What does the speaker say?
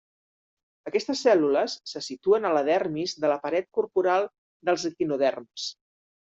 Aquestes cèl·lules se situen a la dermis de la paret corporal dels equinoderms.